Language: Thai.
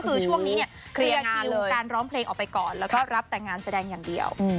คือช่วงนี้เนี่ยควรคือการร้องเพลงเราไปก่อนและรับแต่งงานแสดงอย่างเดียว